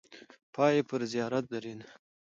پای یې پر زیارت درېده.